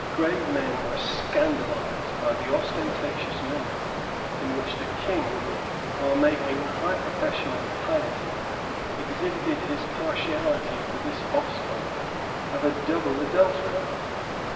Grave men were scandalized by the ostentatious manner in which the King, while making a high profession of piety, exhibited his partiality for this offspring of a double adultery.